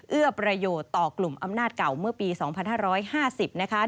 เอื้อประโยชน์ต่อกลุ่มอำนาจเก่าเมื่อปีสองพันห้าร้อยห้าสิบ